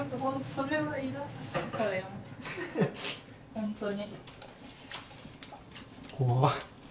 ホントに。